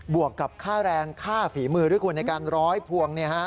วกกับค่าแรงค่าฝีมือด้วยคุณในการร้อยพวง